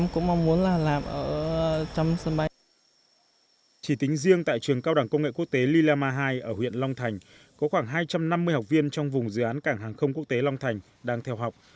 chỉ tính riêng tại trường cao đẳng công nghệ quốc tế lilama hai ở huyện long thành có khoảng hai trăm năm mươi học viên trong vùng dự án cảng hàng không quốc tế long thành đang theo học